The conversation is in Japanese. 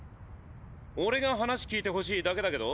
俺が話聞いてほしいだけだけど？